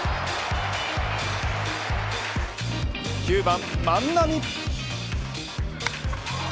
９番、万波。